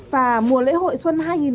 và mùa lễ hội xuân hai nghìn hai mươi